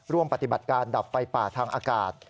ร่วมปฏิบัติการดับไฟป่าทางอากาศ